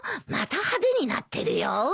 また派手になってるよ。